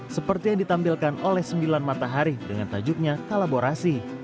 seperti yang ditampilkan oleh sembilan matahari dengan tajuknya kolaborasi